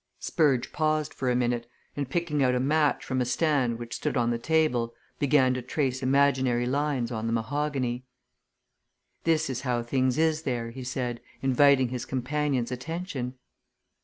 Spurge paused for a minute, and picking out a match from a stand which stood on the table, began to trace imaginary lines on the mahogany. "This is how things is there," he said, inviting his companions' attention.